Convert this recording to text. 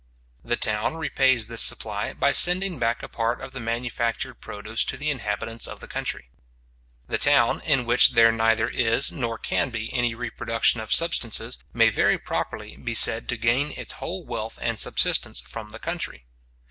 The town repays this supply, by sending back a part of the manufactured produce to the inhabitants of the country. The town, in which there neither is nor can be any reproduction of substances, may very properly be said to gain its whole wealth and subsistence from the country.